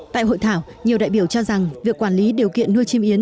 tại hội thảo nhiều đại biểu cho rằng việc quản lý điều kiện nuôi chim yến